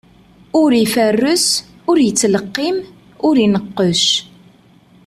Ur iferres, ur yettleqqim, ur ineqqec.